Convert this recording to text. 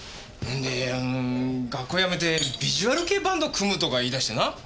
ほんで「学校辞めてビジュアル系バンド組む」とか言い出してな。